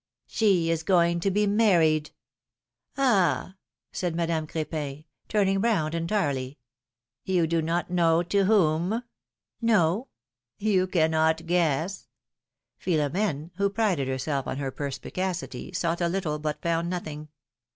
She is going to be married." ^Ah !" said Madame Cr^pin, turning round entirely. You do not know to whom?" ^^No." You cannot guess?" Philomene, who prided herself on her perspicacity, sought a little but found nothing.